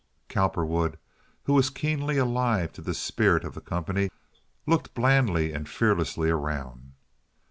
Cowperwood, who was keenly alive to the spirit of the company, looked blandly and fearlessly around.